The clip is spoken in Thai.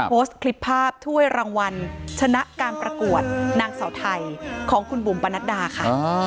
โพสต์คลิปภาพถ้วยรางวัลชนะการประกวดนางเสาไทยของคุณบุ๋มปนัดดาค่ะ